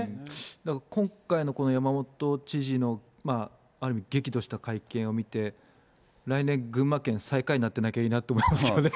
だから今回のこの山本知事のある意味、激怒した会見を見て、来年群馬県最下位になってなきゃいいなと思いますけどね。